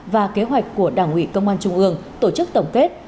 và kế hoạch của đảng ủy công an trung ương tổ chức tổng kết